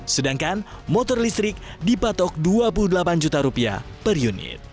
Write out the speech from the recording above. sedangkan motor listrik dipatok dua puluh delapan juta rupiah per unit